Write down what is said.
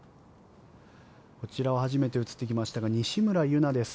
こちらは初めて映ってきましたが西村優菜です。